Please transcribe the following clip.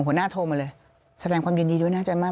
หัวหน้าโทรมาเลยแสดงความยินดีด้วยน่าใจมาก